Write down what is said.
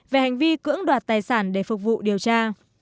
về hành vi cưỡng đoạt tài sản để phục vụ điều tra